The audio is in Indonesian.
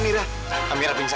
seharusnya amira sudah disini